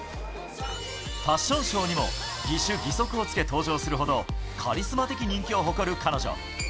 ファッションショーにも義手義足をつけ登場するほど、カリスマ的な人気を誇る彼女。